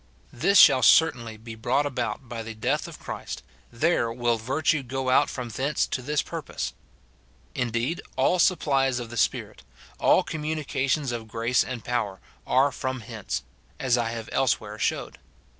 This shall certainly be brought about by the death of Christ ; there will virtue go out from thence to this pur pose. Indeed, all supplies of the Spirit, all communica tions of grace and power, are from hence ; as I have elsewhere showed.